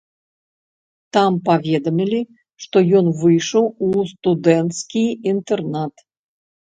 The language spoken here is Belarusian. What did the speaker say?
Там паведамілі, што ён выйшаў у студэнцкі інтэрнат.